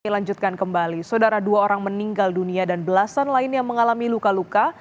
dilanjutkan kembali saudara dua orang meninggal dunia dan belasan lain yang mengalami luka luka